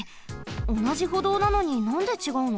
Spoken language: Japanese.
おなじほどうなのになんでちがうの？